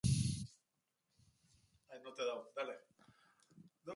Datozen egunetan gauzatuko da erabakia.